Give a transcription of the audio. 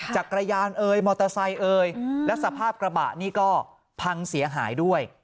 จักรยานเอยมอเตอร์ไซค์เอ่ยแล้วสภาพกระบะนี่ก็พังเสียหายด้วย